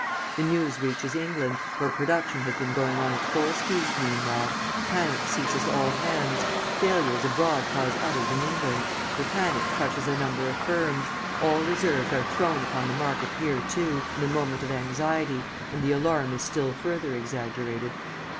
The news reaches England, where production has been going on at full speed meanwhile, panic seizes all hands, failures abroad cause others in England, the panic crushes a number of firms, all reserves are thrown upon the market here, too, in the moment of anxiety, and the alarm is still further exaggerated.